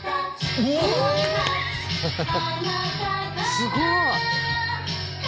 すごい。